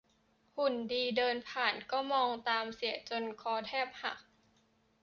หุ่นดีเดินผ่านก็มองตามเสียจนคอแทบหัก